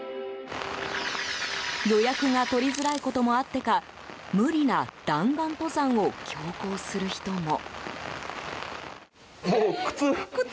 予約が取りづらいこともあってか無理な弾丸登山を強行する人も。